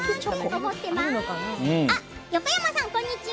横山さん、こんにちは。